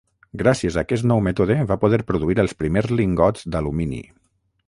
Gràcies a aquest nou mètode va poder produir els primers lingots d'alumini.